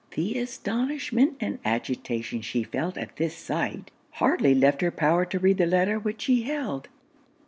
The astonishment and agitation she felt at this sight, hardly left her power to read the letter which she held.